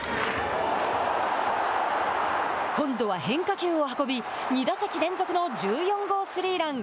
今度は変化球を運び２打席連続の１４号スリーラン。